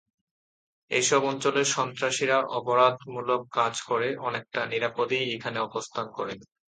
এসব অঞ্চলের সন্ত্রাসীরা অপরাধমূলক কাজ করে অনেকটা নিরাপদেই এখানে অবস্থান করে।